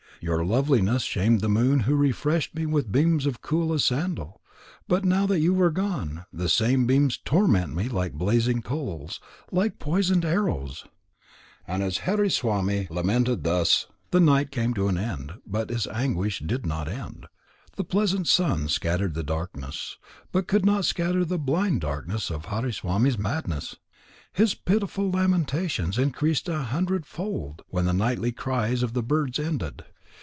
Your loveliness shamed the moon who refreshed me with beams cool as sandal; but now that you are gone, the same beams torment me like blazing coals, like poisoned arrows!" And as Hariswami lamented thus, the night came to an end, but his anguish did not end. The pleasant sun scattered the darkness, but could not scatter the blind darkness of Hariswami's madness. His pitiful lamentations increased a hundredfold, when the nightly cries of the birds ended.